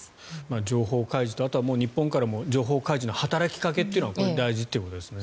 情報開示とあとは日本からも情報開示の働きかけが大事ということですね。